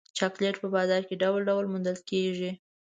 چاکلېټ په بازار کې ډول ډول موندل کېږي.